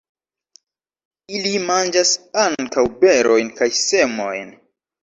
Ili manĝas ankaŭ berojn kaj semojn.